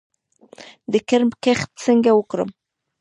د کرم کښت څنګه وکړم؟